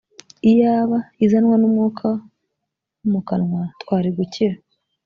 iyaba izanwa n’umwuka wo mu kanwa twari gukira